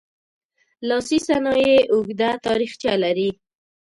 لاسي صنایع اوږده تاریخچه لري.